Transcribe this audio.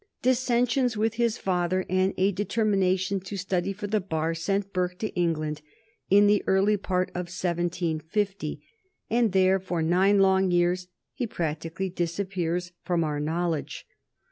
Dissensions with his father and a determination to study for the bar sent Burke to England in the early part of 1750, and there for nine long years he practically disappears from our knowledge.